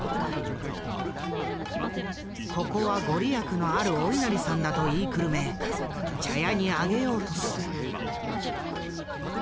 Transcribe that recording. ここは御利益のあるお稲荷さんだと言いくるめ茶屋に上げようとする。